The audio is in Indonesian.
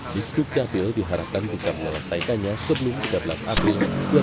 bistrik capil diharapkan bisa menyelesaikannya sebelum tiga belas april dua ribu delapan belas